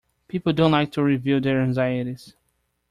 People don't like to reveal their anxieties.